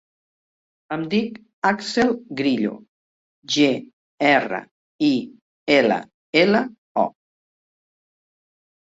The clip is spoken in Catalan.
Em dic Àxel Grillo: ge, erra, i, ela, ela, o.